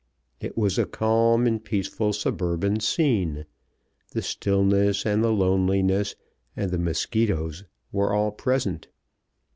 It was a calm and peaceful suburban scene the stillness and the loneliness and the mosquitoes were all present.